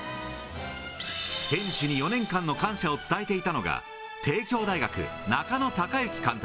選手に４年間の感謝を伝えていたのが、帝京大学、中野孝行監督。